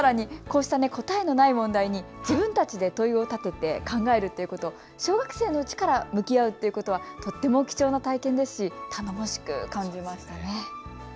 さらに、こうした答えのない問題に自分たちで問いを立てて考えるということを小学生のうちから向き合うというのはとても貴重な体験ですし頼もしく感じましたね。